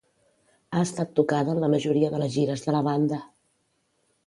Ha estat tocada en la majoria de les gires de la banda.